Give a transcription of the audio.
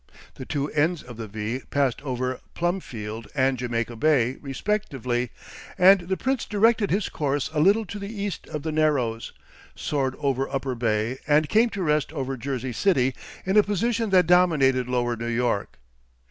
The two ends of the V passed over Plumfield and Jamaica Bay, respectively, and the Prince directed his course a little to the east of the Narrows, soared over Upper Bay, and came to rest over Jersey City in a position that dominated lower New York.